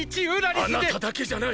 あなただけじゃない。